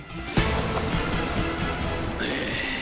ああ。